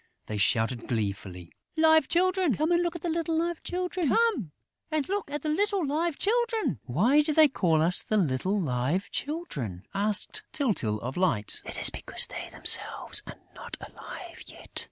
They shouted gleefully: "Live Children!... Come and look at the little Live Children!" "Why do they call us the little Live Children?" asked Tyltyl, of Light. "It is because they themselves are not alive yet.